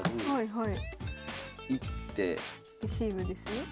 はい。